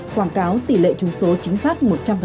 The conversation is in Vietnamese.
quảng cáo tỷ lệ trung số chính xác một trăm linh